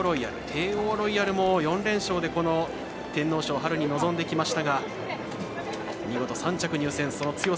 テーオーロイヤルも４連勝で春の天皇賞に臨んできましたが見事３着、入線。